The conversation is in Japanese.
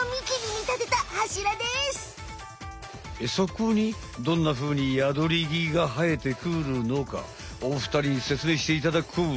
そこにどんなふうにヤドリギがはえてくるのかおふたりにせつめいしていただこう。